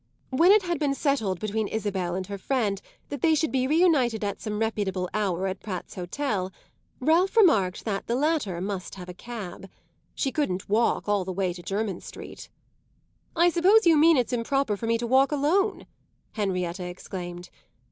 When it had been settled between Isabel and her friend that they should be reunited at some reputable hour at Pratt's Hotel, Ralph remarked that the latter must have a cab. She couldn't walk all the way to Jermyn Street. "I suppose you mean it's improper for me to walk alone!" Henrietta exclaimed.